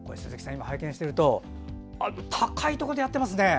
今、拝見していると高いところでやってますね。